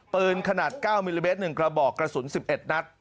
ปืนขนาด๙มิลลิเมตร๑กระบอกกระสุน๑๑นัด